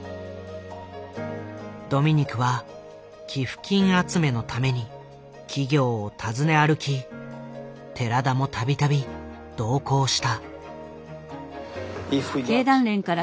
ドミニクは寄付金集めのために企業を訪ね歩き寺田も度々同行した。